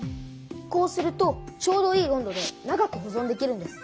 こうするとちょうどいい温度で長くほぞんできるんです。